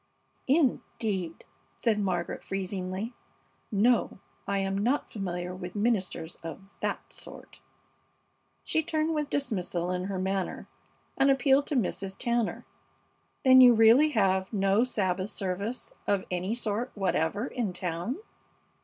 '" "Indeed!" said Margaret, freezingly. "No, I am not familiar with ministers of that sort." She turned with dismissal in her manner and appealed to Mrs. Tanner. "Then you really have no Sabbath service of any sort whatever in town?"